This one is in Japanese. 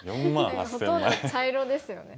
ほとんど茶色ですよね。